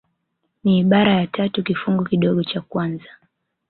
Ni ibara ya tatu kifungu kidogo cha kwanza